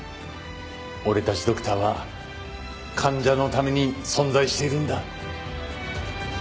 俺たちドクターは患者のために存在しているんだ。